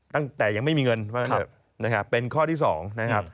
ตั้งแต่ยังไม่มีเงินเป็นข้อที่สอง